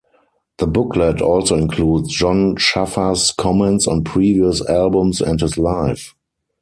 The booklet also includes Jon Schaffer's comments on previous albums and his life.